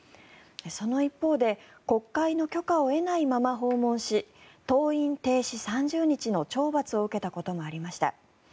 その一方で国会の許可を得ないまま訪問し登院停止３０日の懲罰を受けたこともありました。